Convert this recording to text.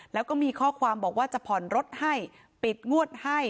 แล้วก็มีข้อความบอกว่าจะผ่อนรถให้ปิดงวดให้